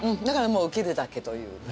だからもう受けるだけという。